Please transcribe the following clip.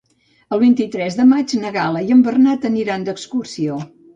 El vint-i-tres de maig na Gal·la i en Bernat aniran d'excursió.